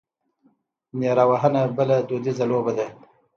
نیره وهنه بله دودیزه لوبه ده.